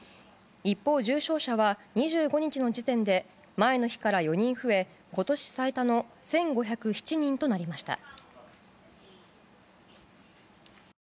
一方、重症者は２５日の時点で前の日から４人増え今年最多の１５０７人となりました。